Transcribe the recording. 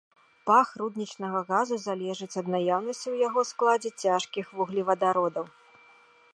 Пах руднічнага газу залежыць ад наяўнасці ў яго складзе цяжкіх вуглевадародаў.